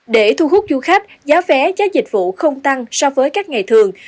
để thu hút du khách giá vé giá dịch vụ không tăng so với các ngày thường